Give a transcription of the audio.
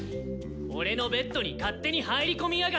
俺のベッドに勝手に入り込みやがって！